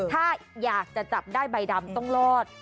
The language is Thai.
ถ้าอยากจะจับได้ใบดำต้องรอด